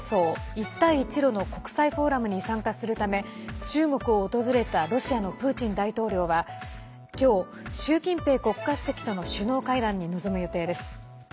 一帯一路の国際フォーラムに参加するため中国を訪れたロシアのプーチン大統領は今日習近平国家主席との首脳会談に臨む予定です。